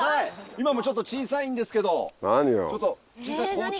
今もちょっと小さいんですけど小さい昆虫。